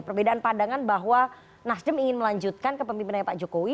perbedaan pandangan bahwa nasdem ingin melanjutkan kepemimpinannya pak jokowi